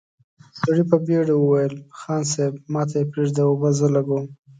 سړي په بېړه وويل: خان صيب، ماته يې پرېږده، اوبه زه لګوم!